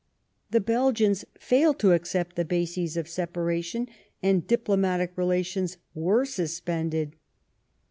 The Belgians failed to accept the bases of separation, and diplomatic relations were suspended.